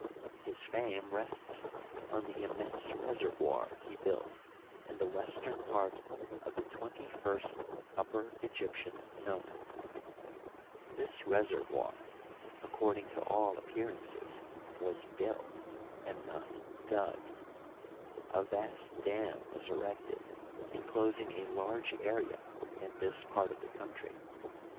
His fame rests on the im Uigitized byCjOOQlC 56 HISTORY OF EGYPT, mense reservoir he built in the western part of the twenty first Upper Egyptian nome. This reservoir, according to all appearances, was built and not dug, A vast dam was erected inclosing a large area in this part of the country.